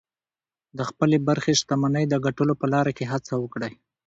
د خپلې برخې شتمنۍ د ګټلو په لاره کې هڅه وکړئ